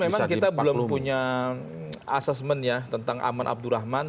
memang kita belum punya assessment ya tentang aman abdurrahman